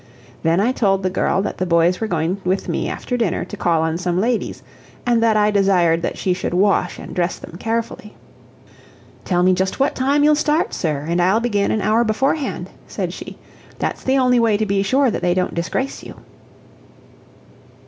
Then I told the girl that the boys were going with me after dinner to call on some ladies, and that I desired that she should wash and dress them carefully. "Tell me just what time you'll start, sir, and I'll begin an hour beforehand," said she. "That's the only way to be sure that they don't disgrace you."